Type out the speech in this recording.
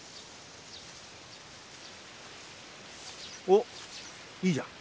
おっいいじゃん。